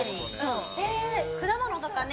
果物とかね。